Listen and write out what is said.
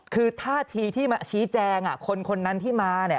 คือถ้าทีที่ชี้แจงคนนั้นที่มา